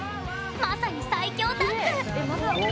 まさに最強タッグ！